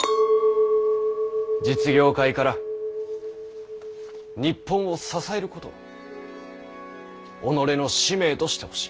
実業界から日本を支えることを己の使命としてほしい。